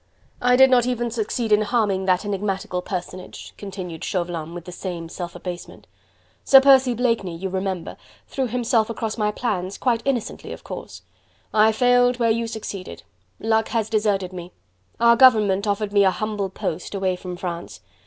"I did not even succeed in harming that enigmatical personage," continued Chauvelin with the same self abasement. "Sir Percy Blakeney, you remember, threw himself across my plans, quite innocently of course. I failed where you succeeded. Luck has deserted me. Our government offered me a humble post, away from France.